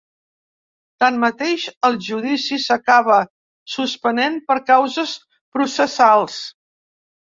Tanmateix, el judici s’acaba suspenent per causes processals.